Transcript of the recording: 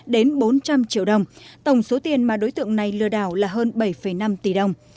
đến bốn trăm linh triệu đồng tổng số tiền mà đối tượng này lừa đảo là hơn bảy năm tỷ đồng